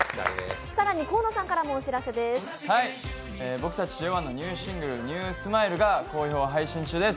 僕たちＪＯ１のニューシングル「ＮＥＷＳｍｉｌｅ」が好評配信中です。